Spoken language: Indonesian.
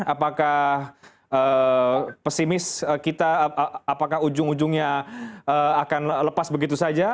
apakah pesimis kita apakah ujung ujungnya akan lepas begitu saja